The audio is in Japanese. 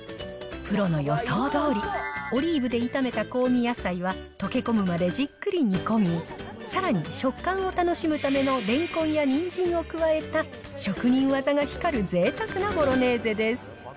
プロの予想どおり、オリーブで炒めた香味野菜は、溶け込むまでじっくり煮込み、さらに食感を楽しむためのれんこんやにんじんを加えた職人技が光え？